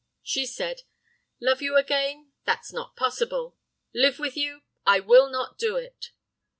"She said: "'Love you again? That's not possible! Live with you? I will not do it!